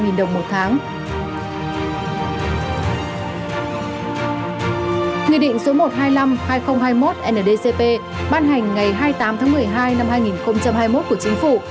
nghị định một trăm hai mươi năm hai nghìn hai mươi một ndcp ban hành ngày hai mươi tám tháng một mươi hai năm hai nghìn hai mươi một của chính phủ